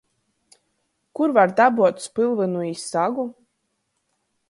Kur var dabuot spylvynu i sagu?